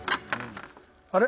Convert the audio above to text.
あれ？